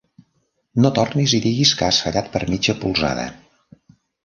No tornis i diguis que has fallat per mitja polzada.